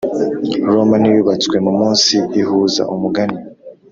roma ntiyubatswe mumunsi ihuza umugani